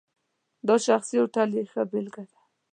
دا شخصي هوټل یې ښه بېلګه ده.